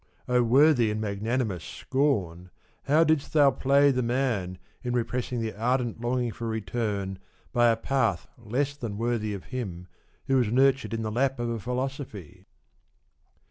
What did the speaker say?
Oh worthy and magnanimous Scorn, how didst thou play the man in repressing the ardent longing for return by a path less than worthy of him who was nurtured in the lap of a philosophy